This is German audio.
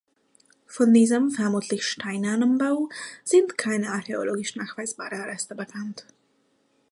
Von diesem vermutlich steinernen Bau sind keine archäologisch nachweisbaren Reste bekannt.